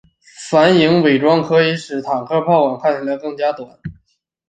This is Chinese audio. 反影伪装可以使坦克炮管看起来更短。